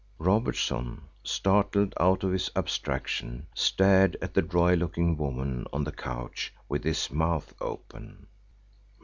Robertson, startled out of his abstraction, stared at the royal looking woman on the couch with his mouth open.